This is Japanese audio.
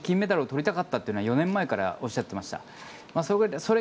そして金メダルを取りたかったというのは４年前からおっしゃっていました。